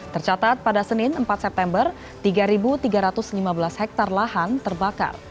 tercatat pada senin empat september tiga tiga ratus lima belas hektare lahan terbakar